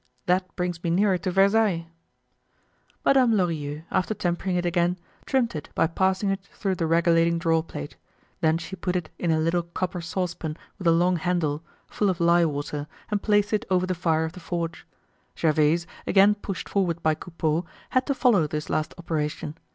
That brings me nearer to Versailles." Madame Lorilleux, after tempering it again, trimmed it by passing it through the regulating draw plate. Then she put it in a little copper saucepan with a long handle, full of lye water, and placed it over the fire of the forge. Gervaise, again pushed forward by Coupeau, had to follow this last operation.